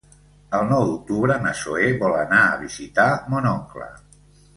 El nou d'octubre na Zoè vol anar a visitar mon oncle.